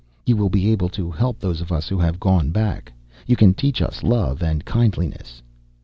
You will be able to help those of us who have gone back. You can teach us love and kindliness."